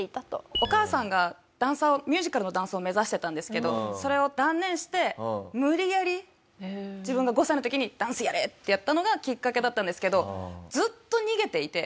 お母さんがダンサーをミュージカルのダンサーを目指してたんですけどそれを断念して無理やり自分が５歳の時に「ダンスやれ！」ってやったのがきっかけだったんですけどずっと逃げていて。